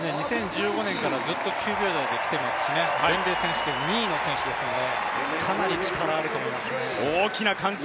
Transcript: ２０１５年からずっと９秒台できてますから全米選手権２位の選手ですのでかなり力あると思いますね。